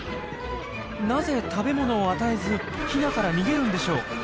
なぜ食べ物を与えずヒナから逃げるんでしょう？